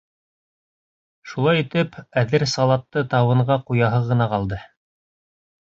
Шулай итеп, әҙер салатты табынға ҡуяһы ғына ҡалды.